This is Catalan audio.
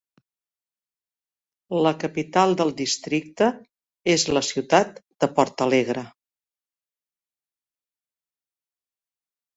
La capital del districte és la ciutat de Portalegre.